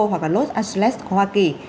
hoặc los angeles của hoa kỳ